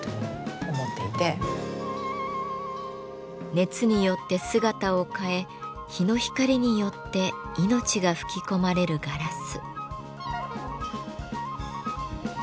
熱によって姿を変え日の光によって命が吹き込まれるガラス。